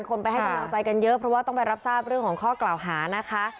ไปให้กำลังใจกันเยอะเพราะว่าต้องไปรับทราบเรื่องของข้อกล่าวหานะคะ